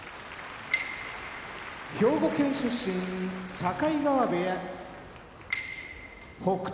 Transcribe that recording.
兵庫県出身境川部屋北勝